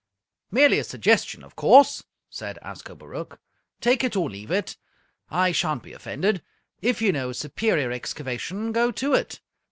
"Merely a suggestion, of course," said Ascobaruch. "Take it or leave it. I shan't be offended. If you know a superior excavation, go to it.